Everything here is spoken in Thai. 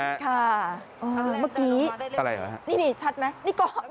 อ้าวเมื่อกี้อะไรเหรอฮะนี่ชัดไหม